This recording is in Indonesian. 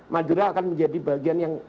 madura akan menjadi bagian yang